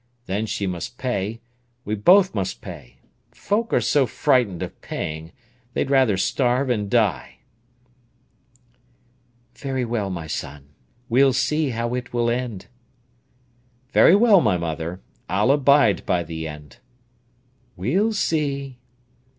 Then she must pay—we both must pay! Folk are so frightened of paying; they'd rather starve and die." "Very well, my son. We'll see how it will end." "Very well, my mother. I'll abide by the end." "We'll see!"